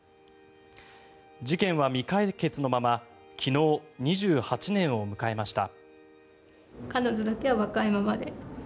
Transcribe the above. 事件は未解決のまま昨日、２８年を迎えました。